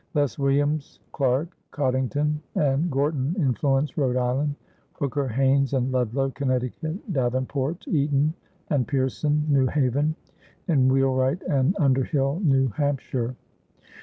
Thus Williams, Clarke, Coddington, and Gorton influenced Rhode Island; Hooker, Haynes, and Ludlow, Connecticut; Davenport, Eaton, and Pierson, New Haven; and Wheelwright and Underhill, New Hampshire.